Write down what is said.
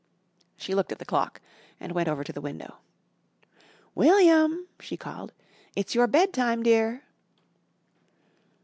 She looked at the clock and went over to the window, "William!" she called. "It's your bed time, dear."